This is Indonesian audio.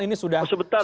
ini sudah sebentar